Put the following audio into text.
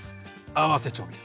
合わせ調味料。